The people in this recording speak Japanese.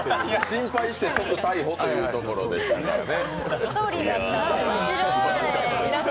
心配して、即逮捕というところでしたね。